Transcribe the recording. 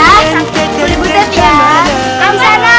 kamisana pilih butet juga ya